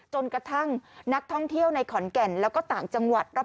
จนกระทั่งนักท่องเที่ยวในขอนแก่นแล้วก็ต่างจังหวัดรอบ